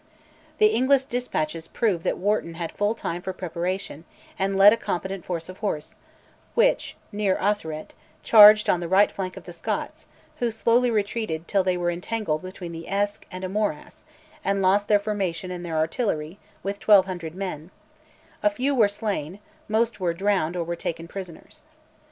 The English despatches prove that Wharton had full time for preparation, and led a competent force of horse, which, near Arthuret, charged on the right flank of the Scots, who slowly retreated, till they were entangled between the Esk and a morass, and lost their formation and their artillery, with 1200 men: a few were slain, most were drowned or were taken prisoners.